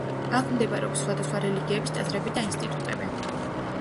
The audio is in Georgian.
აქ მდებარეობს სხვადასხვა რელიგიების ტაძრები და ინსტიტუტები.